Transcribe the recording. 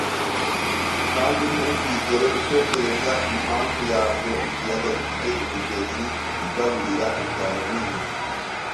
kandi ntuzigere utekereza impamvu yabyoikiyaga gifite imigezi igaburira ingano nini.